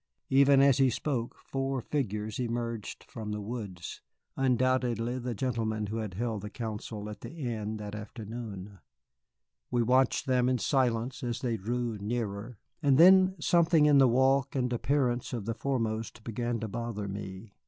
Even as he spoke four figures emerged from the woods, undoubtedly the gentlemen who had held the council at the inn that afternoon. We watched them in silence as they drew nearer, and then something in the walk and appearance of the foremost began to bother me.